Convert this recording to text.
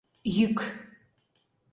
Йӱк.